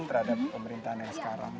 terhadap pemerintahnya sekarang